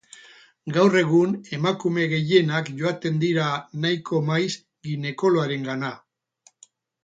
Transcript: Gaur egun emakume gehienak joaten dira nahiko maiz ginekologoarengana.